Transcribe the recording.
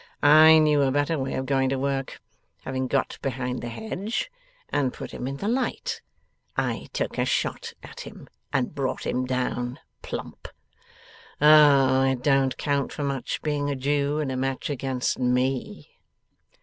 I knew a better way of going to work. Having got behind the hedge, and put him in the light, I took a shot at him and brought him down plump. Oh! It don't count for much, being a Jew, in a match against ME!